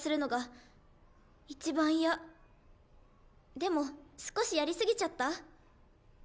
でも少しやりすぎちゃった？